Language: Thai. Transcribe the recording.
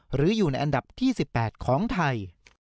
หรืออยู่ในอันดับที่๑๘ของไทย